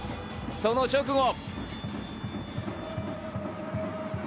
その直後。